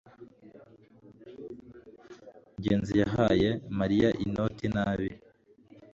ngenzi yahaye mariya inoti nabi